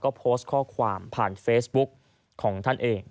ก็โพสต์ข้อความผ่านเฟซบุ๊กของท่านเอง